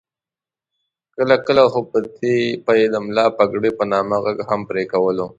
کله کله خو به یې د ملا پګړۍ په نامه غږ هم پرې کولو.